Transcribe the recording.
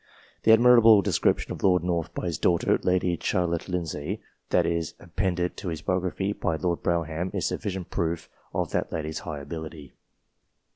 The admirable description of Lord North by his daughter, Lady Charlotte Lindsay, that is appended to his bio graphy by Lord Brougham, is sufficient proof of that lady's high ability.